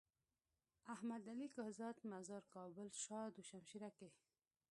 احمد علي کهزاد مزار کابل شاه دو شمشيره کي۔